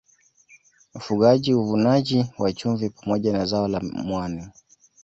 Ufugaji Uvunaji wa chumvi pamoja na zao la mwani